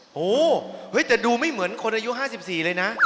โอ้โฮเฮ้ยแต่ดูไม่เหมือนคนอายุ๕๔เลยนะ